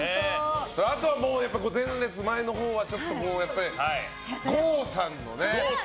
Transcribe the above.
あとは、前列のほうは郷さんのね。